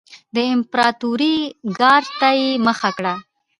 د امپراتورۍ ګارډ ته یې مخه کړه